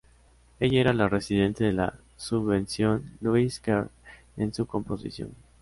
Ella era la residente de la subvención Louis Kerr en su composición.